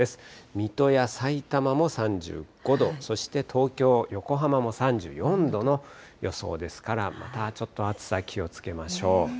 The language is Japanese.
水戸やさいたまも３５度、そして東京、横浜も３４度の予想ですから、またちょっと暑さ、気をつけましょう。